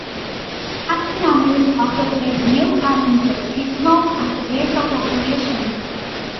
Captain America offers these "new Avengers" his home as a base of operations.